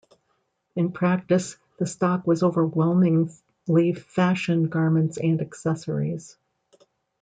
In practice, the stock was overwhelmingly fashion garments and accessories.